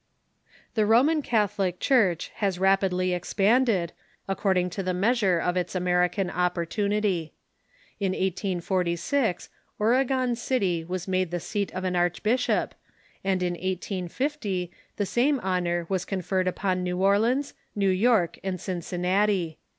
The Roman Catholic Church has rapidly expanded, according to the measure of its American opportunity. In 1846 Oregon City was made the seat of an archbishop, and in Rapid Growth ^.,^ t Vt ^ 1850 the same honor was conierred upon JSew Or leans, New York, and Cincinnati.